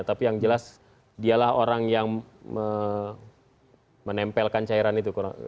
tapi yang jelas dialah orang yang menempelkan cairan itu